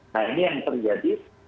nah ini yang terjadi di cek sepelah